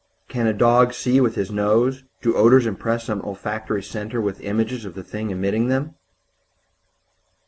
"Can a dog see with his nose? Do odors impress some olfactory centre with images of the thing emitting them?